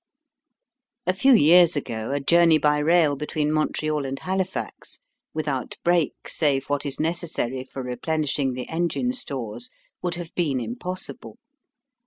A few years ago a journey by rail between Montreal and Halifax, without break save what is necessary for replenishing the engine stores, would have been impossible.